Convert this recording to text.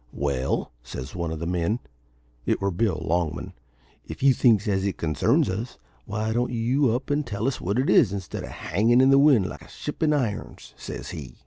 "`Well,' says one of the men it were Bill Longman `if you thinks as it concerns us, why don't you up and tell us what it is, instead of hangin' in the wind like a ship in irons?' says he.